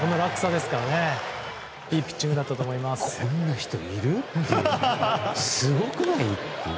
すごくない？